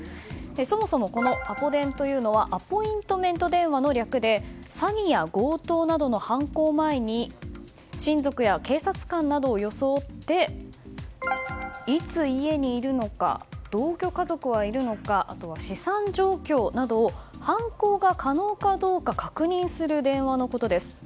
そもそも、このアポ電というのはアポイントメント電話の略で詐欺や強盗などの犯行前に親族や警察官などを装っていつ家にいるのか同居家族はいるのかあとは資産状況などを犯行が可能かどうか確認する電話のことです。